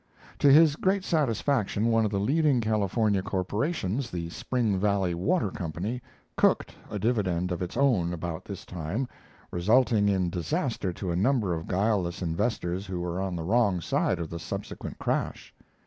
To his great satisfaction, one of the leading California corporations, the Spring Valley Water Company, "cooked" a dividend of its own about this time, resulting in disaster to a number of guileless investors who were on the wrong side of the subsequent crash.